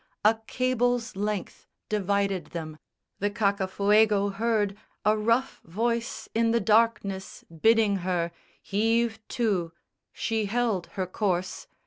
A cable's length Divided them. The Cacafuego heard A rough voice in the darkness bidding her Heave to! She held her course.